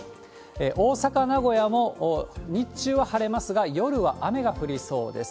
大阪、名古屋も日中は晴れますが、夜は雨が降りそうです。